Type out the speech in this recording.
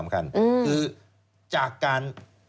คือจากการ